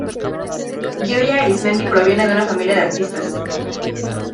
Gioia Arismendi proviene de una familia de artistas.